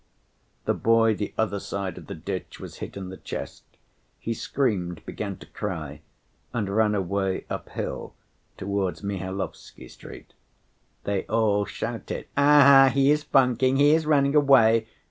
The boy the other side of the ditch was hit in the chest; he screamed, began to cry and ran away uphill towards Mihailovsky Street. They all shouted: "Aha, he is funking, he is running away.